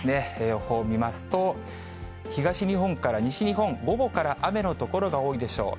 予報を見ますと、東日本から西日本、午後から雨の所が多いでしょう。